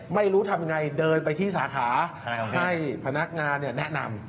ไม่รู้ทำยังไงเดินไปที่สาขาให้พนักงานแนะนำ